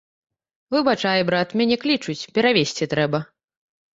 Выбачай, брат, мяне клічуць, перавезці трэба.